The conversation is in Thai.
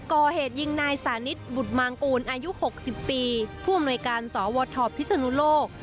ก่อเหตุยิงนายสานิทบุตรมางกูลอายุ๖๐ปีผู้อำนวยการสวทพิศนุโลก